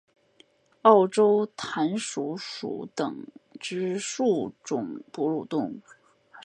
澳洲弹鼠属等之数种哺乳动物。